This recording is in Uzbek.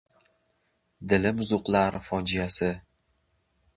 Dili buzuqlar fojiasi